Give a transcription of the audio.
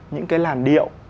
những cái làn điệu